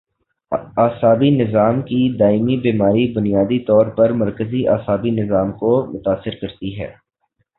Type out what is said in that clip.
اعصابی نظام کی دائمی بیماری بنیادی طور پر مرکزی اعصابی نظام کو متاثر کرتی ہے